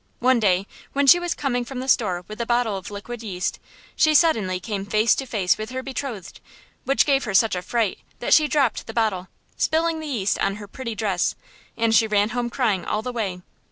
One day, when she was coming from the store with a bottle of liquid yeast, she suddenly came face to face with her betrothed, which gave her such a fright that she dropped the bottle, spilling the yeast on her pretty dress; and she ran home crying all the way.